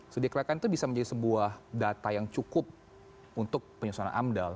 studi kelayakan itu bisa menjadi sebuah data yang cukup untuk penyusunan amdal